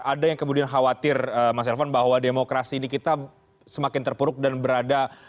ada yang kemudian khawatir mas elvan bahwa demokrasi ini kita semakin terpuruk dan berada